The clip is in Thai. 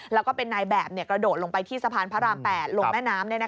แล้วก็เป็นนายแบบกระโดดลงไปที่สะพานพระราม๘ลงแม่น้ำ